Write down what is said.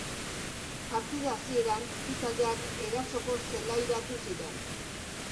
Partida hasieran bi taldeak erasokor zelairatu ziren.